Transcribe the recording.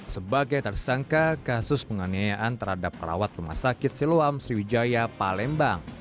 sebagai tersangka kasus penganiayaan terhadap perawat rumah sakit siloam sriwijaya palembang